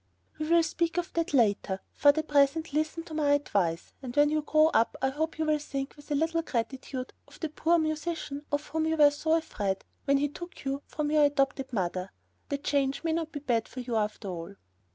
"We will speak of that later. For the present listen to my advice, and when you grow up I hope you will think with a little gratitude of the poor musician of whom you were so afraid when he took you from your adopted mother. The change may not be bad for you after all."